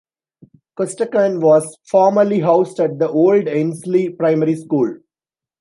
Questacon was formerly housed at the old Ainslie Primary School.